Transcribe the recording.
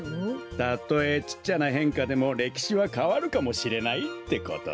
たとえちっちゃなへんかでもれきしはかわるかもしれないってことだ。